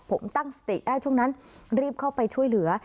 ผมตั้งสติได้ช่วงนั้นรีบเข้าไปช่วยเหลือ